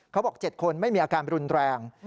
เขาบอก๗คนไม่มีอาการรุนแรง